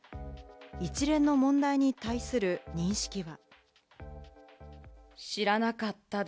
一連の問題に対する認識は。